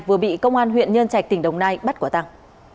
vừa bị công an huyện nhân trạch tỉnh đồng nai bắt quả tăng